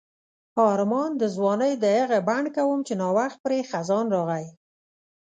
آرمان د ځوانۍ د هغه بڼ کوم چې نا وخت پرې خزان راغی.